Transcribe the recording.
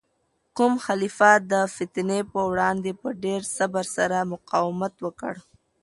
کوم خلیفه د فتنې په وړاندې په ډیر صبر سره مقاومت وکړ؟